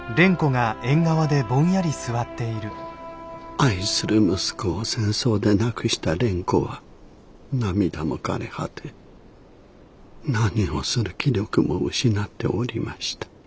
愛する息子を戦争で亡くした蓮子は涙もかれ果て何をする気力も失っておりました。